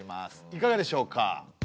いかがでしょうか？